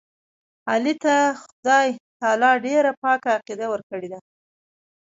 علي ته خدای تعالی ډېره پاکه عقیده ورکړې ده.